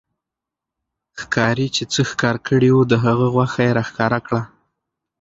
ښکارې چې څه ښکار کړي وو، د هغه غوښه يې را ښکاره کړه